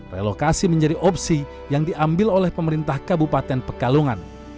relokasi menjadi opsi yang diambil oleh pemerintah kabupaten pekalongan